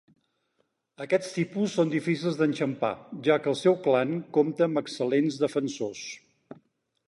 Aquests tipus són difícils d'enxampar, ja que el seu clan compta amb excel·lents defensors.